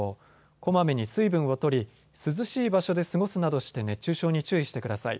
こまめに水分をとり涼しい場所で過ごすなどして熱中症に注意してください。